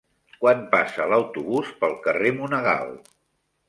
Quan passa l'autobús pel carrer Monegal?